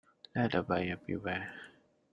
Let the buyer beware.